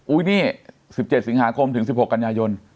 นี่๑๗สิงหาคมถึง๑๖กันยายน